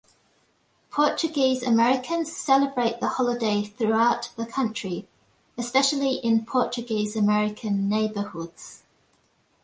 Portuguese Americans celebrate the holiday throughout the country, especially in Portuguese-American neighborhoods.